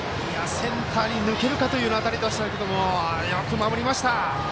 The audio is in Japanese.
センターに抜けるかというような当たりでしたけどよく守りました！